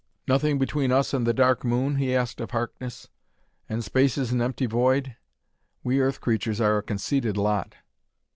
"Nothing between us and the Dark Moon?" he asked of Harkness. "And space is an empty void? We Earth creatures are a conceited lot."